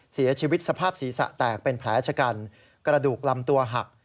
เสียชีวิตสภาพศีรษะแตกเป็นแผลชะกันกระดูกลำตัวหัก